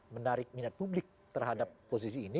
menarik minat publik terhadap posisi ini